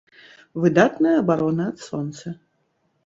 Выдатная абарона ад сонца!